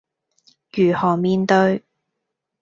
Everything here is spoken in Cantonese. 如何面對